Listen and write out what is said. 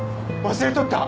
忘れとった。